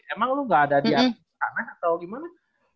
emang lo gak ada di atas kanan atau gimana